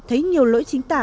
thấy nhiều lỗi chính tả